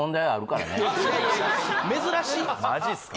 珍しいマジすか？